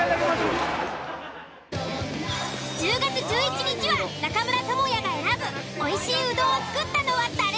１０月１１日は中村倫也が選ぶおいしいうどんを作ったのは誰？